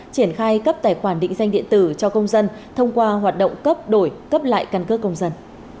triển khai cấp tài khoản định danh điện tử cho công dân thông qua hoạt động cấp đổi cấp lại căn cước công dân